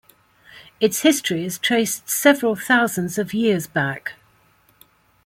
Its history is traced several thousands of years back.